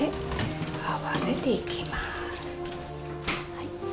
はい。